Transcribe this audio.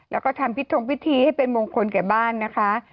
แล้วก็ทำพิธงพิธีให้เป็นมงคลแก่บ้านนะคะ